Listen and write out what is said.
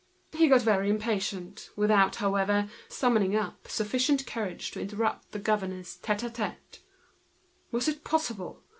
He got very impatient, without, however, summoning up the courage to interrupt the governor's tête à tête. Was it possible?